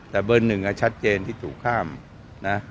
แต่เบอร์๑อะชัดเกณฑ์ที่ถูกข้ามนะ